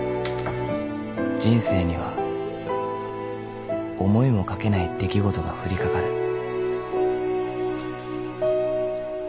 ［人生には思いもかけない出来事が降りかかる］